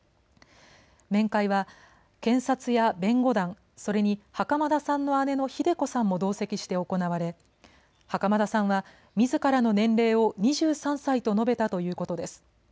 面会は検察や弁護団、それに袴田さんの姉のひで子さんも同席して行われ、袴田さんはみずからの年齢を２３歳と述べたということです。